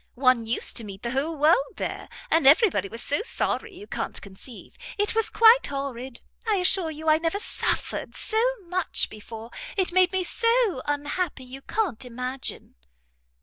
One used to meet the whole world there, and every body was so sorry you can't conceive. It was quite horrid. I assure you I never suffered so much before; it made me so unhappy you can't imagine."